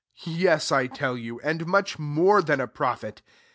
Yes, I tell you, jfiuich more than a prophet.